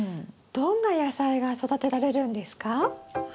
どんな野菜が育てられるんですか？